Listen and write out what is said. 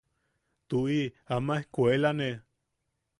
–Tuʼi ama ejkuelane.